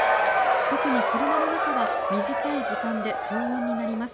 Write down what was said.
特に車の中は短い時間で高温になります。